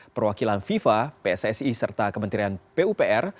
perwakilan fifa pssi serta kementerian pupr